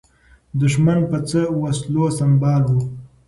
دښمن په څه وسلو سمبال و؟